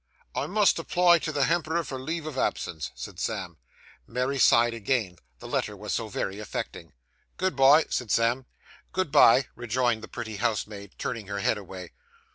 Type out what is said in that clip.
'I must apply to the hemperor for leave of absence,' said Sam. Mary sighed again the letter was so very affecting. 'Good bye!' said Sam. 'Good bye,' rejoined the pretty housemaid, turning her head away.